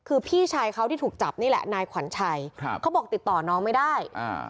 คือพี่ชายเขาที่ถูกจับนี่แหละนายขวัญชัยครับเขาบอกติดต่อน้องไม่ได้อ่า